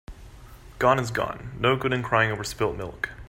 Gone is gone. No good in crying over spilt milk.